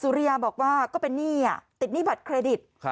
ริยาบอกว่าก็เป็นหนี้ติดหนี้บัตรเครดิต